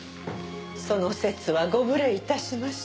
その節はご無礼致しました。